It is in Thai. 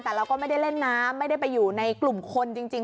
แต่เราก็ไม่ได้เล่นน้ำไม่ได้ไปอยู่ในกลุ่มคนจริง